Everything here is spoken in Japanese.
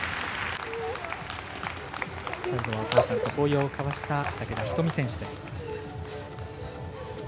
最後はお母さんと抱擁を交わした畠田瞳選手です。